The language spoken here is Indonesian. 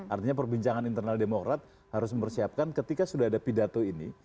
artinya perbincangan internal demokrat harus mempersiapkan ketika sudah ada pidato ini